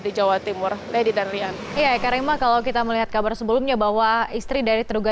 di jawa timur lady dan rian iya karima kalau kita melihat kabar sebelumnya bahwa istri dari terduga